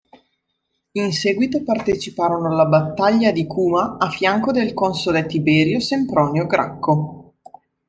In seguito parteciparono alla battaglia di Cuma a fianco del console Tiberio Sempronio Gracco.